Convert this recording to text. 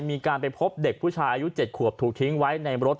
มีการไปพบเด็กผู้ชายอายุ๗ขวบถูกทิ้งไว้ในรถ